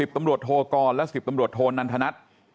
ตำรวจโทกรและ๑๐ตำรวจโทนันทนัท